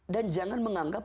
dan jangan menganggap